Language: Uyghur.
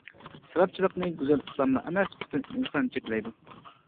ئىسراپچىلىقنى گۈزەل ئىسلاملا ئەمەس پۈتۈن ئىنسان چەكلەيدۇ.